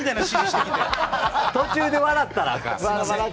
途中で笑ったらあかん。